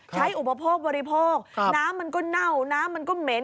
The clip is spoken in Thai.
อุปโภคบริโภคน้ำมันก็เน่าน้ำมันก็เหม็น